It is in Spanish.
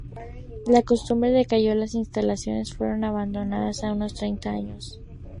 La costumbre decayó y las instalaciones fueron abandonadas hace unos treinta años.